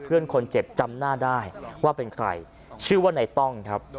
เพื่อนคนเจ็บจำหน้าได้ว่าเป็นใครชื่อว่าในต้องครับ